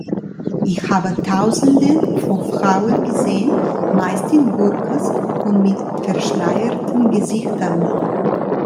Ich habe Tausende von Frauen gesehen, meist in Burkas und mit verschleierten Gesichtern.